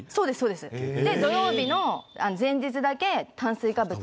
で土曜日の前日だけ炭水化物だけ。